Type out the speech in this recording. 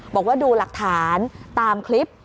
บอกว่าดูหลักฐานตามคลิป